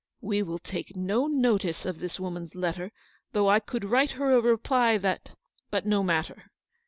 We will take no notice of this woman's letter; though I could write her a reply that — but no matter.